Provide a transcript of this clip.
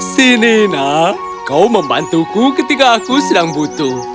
sini nak kau membantuku ketika aku sedang butuh